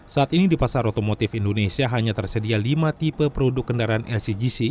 saat ini di pasar otomotif indonesia hanya tersedia lima tipe produk kendaraan lcgc